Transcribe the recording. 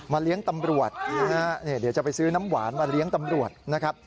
เลี้ยงตำรวจนะฮะเดี๋ยวจะไปซื้อน้ำหวานมาเลี้ยงตำรวจนะครับ